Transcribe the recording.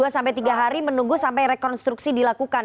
dua sampai tiga hari menunggu sampai rekonstruksi dilakukan